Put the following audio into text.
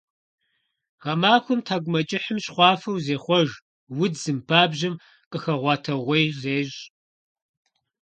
Гъэмахуэм тхьэкIумэкIыхьым щхъуафэу зехъуэж, удзым, пабжьэм къыхэгъуэтэгъуей зещI.